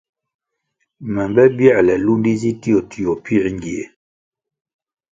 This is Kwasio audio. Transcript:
Me mbe bierle lúndi zi tio tio pięr ngie.